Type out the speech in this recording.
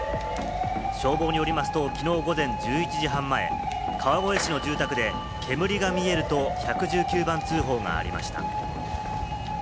消防によりますと、きのう午前１１時半前、川越市の住宅で煙が見えると１１９番通報がありました。